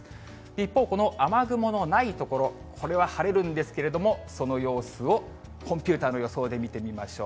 一方、この雨雲のない所、これは晴れるんですけれども、その様子をコンピューターの予想で見てみましょう。